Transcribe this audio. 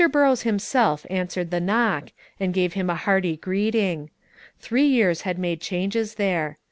Burrows himself answered the knock, and gave him a hearty greeting. Three years had made changes there.